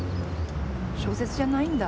小説じゃないんだ。